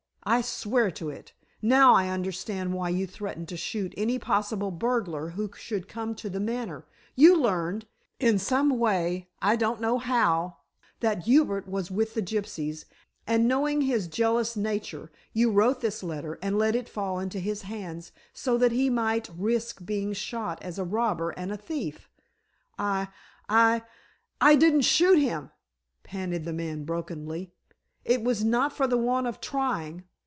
I swear to it. Now I understand why you threatened to shoot any possible burglar who should come to The Manor. You learned, in some way, I don't know how, that Hubert was with the gypsies, and, knowing his jealous nature, you wrote this letter and let it fall into his hands, so that he might risk being shot as a robber and a thief." "I I I didn't shoot him," panted the man brokenly. "It was not for the want of trying.